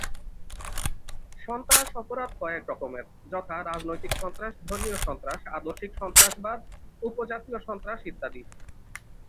সন্ত্রাস অপরাধ কয়েক রকমের, যথা রাজনৈতিক সন্ত্রাস, ধর্মীয় সন্ত্রাস, আদর্শিক সন্ত্রাসবাদ, উপজাতীয় সন্ত্রাস ইত্যাদি।